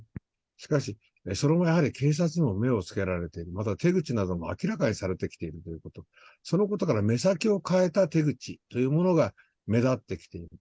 しかし、それもやはり警察にも目をつけられて、また、手口なども明らかにされてきているということ、そのことから、目先を変えた手口というものが、目立ってきている。